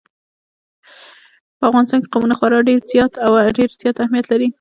په افغانستان کې قومونه خورا ډېر او ډېر زیات اهمیت لري.